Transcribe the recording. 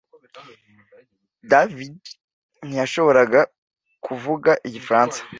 David ntiyashoboraga kuvuga igifaransa